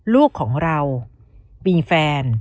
ลูกของเรามีแฟน